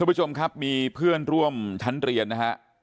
ผู้ชมครับมีเพื่อนร่วมชั้นเรียนนะฮะ